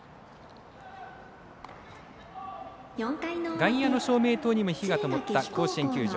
外野の照明塔にも灯がともった甲子園球場。